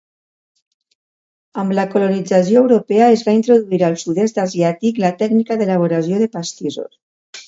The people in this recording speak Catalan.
Amb la colonització europea es va introduir al sud-est asiàtic la tècnica d'elaboració de pastissos.